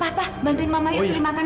papa bantuin mama yuk terima makanan